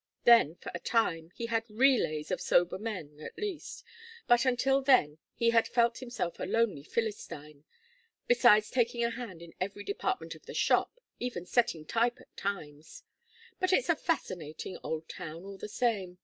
Then, for a time, he had relays of sober men, at least, but until then he had felt himself a lonely Philistine besides taking a hand in every department of the 'shop,' even setting type at times. But it's a fascinating old town, all the same.